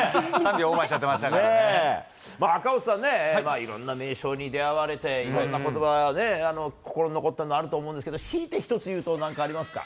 ３秒オーバーしちゃってまし赤星さん、いろんな名将に出会われて、いろんなことば、心に残ったのあると思うんですけど、しいて１つ言うと、なんかありますか？